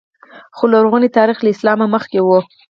خو لرغونی تاریخ له اسلام مخکې و